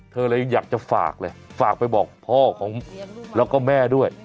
เธอเลยอยากจะฝากเลยฝากไปบอกพ่อของแล้วก็แม่ด้วย